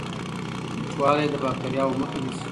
وچوالی د باکټریاوو مخه نیسي.